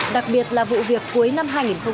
đặc biệt là vụ việc cuối năm hai nghìn một mươi tám